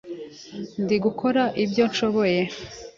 Ndi gukora ibyo nshoboye.